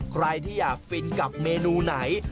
ใครที่อยากฟินกับเมนูไหน